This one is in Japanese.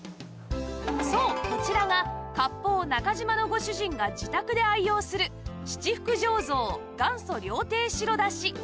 そうこちらが割烹中嶋のご主人が自宅で愛用する七福醸造元祖料亭白だし